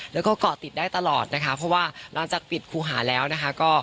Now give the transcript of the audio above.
แล้วก็เกาะติดได้ตลอดนะคะเพราะว่าหลังจากปิดครูหาแล้วนะคะ